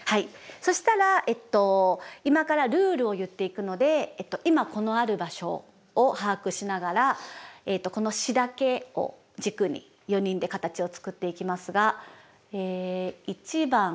そしたら今からルールを言っていくので今このある場所を把握しながらこの詩だけを軸に４人で形を作っていきますが。